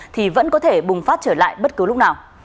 thì vẫn có thể bùng phát trở lại bất cứ lúc nào